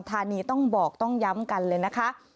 ธานีต้องบอกต้องย้ำกันเลยนะคะ